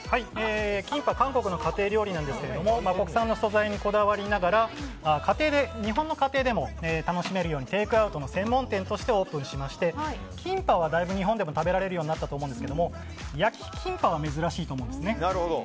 キンパは韓国の家庭料理なんですけども国産の素材にこだわりながら日本の家庭でも楽しめるようにテイクアウトの専門店としてオープンしましてキンパはだいぶ日本でも食べられるようになったと思うんですが焼きキンパは珍しいと思うんですね。